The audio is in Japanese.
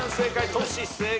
トシ正解。